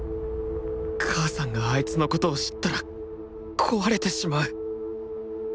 母さんがあいつのことを知ったら壊れてしまう。